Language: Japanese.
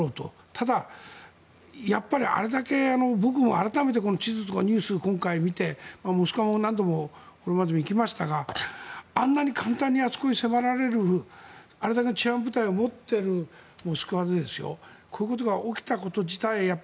ただ、やっぱりあれだけ僕も地図とかニュースを今回見てモスクワも何度もこれまでも行きましたがあんなに簡単にあそこに迫られるあれだけの治安部隊を持っているモスクワでこういうことが起きたこと自体